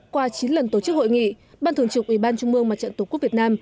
qua chín lần tổ chức hội nghị ban thường trục ubnd tổ quốc việt nam